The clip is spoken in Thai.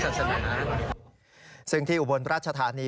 เป็นส่วนหนึ่งของการเผื่อแค่ฝ้าศาสนา